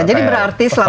jadi berarti selama